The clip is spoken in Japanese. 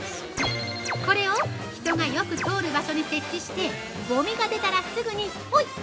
これを人がよく通る場所に設置してごみが出たらすぐにポイッ！